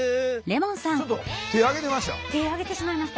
ちょっと手あげてました？